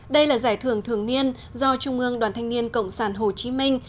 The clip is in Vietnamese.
đây là giải thưởng thường niên do trung ương đoàn thanh niên cộng sản hồ chí minh